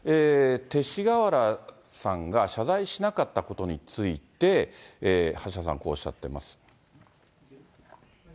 勅使河原さんが謝罪しなかったことについて、橋田さん、こうおっしゃっています。